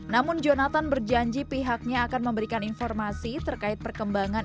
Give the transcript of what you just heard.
namun jonathan berjanji pihaknya akan memberikan informasi terkait perkembangan